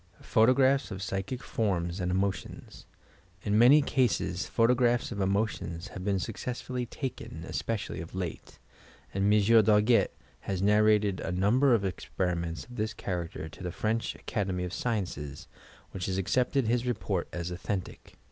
PHOTOGRAPHS OP PSYCHIC FORMS AND EMOTIONS In many cases photographs of emotions have been suc cessfully taken, especially of late, and Monsieur Darget has narrated a number of experiments of this character to the French Academy o£ Sciences, which has accepted his report as authentic.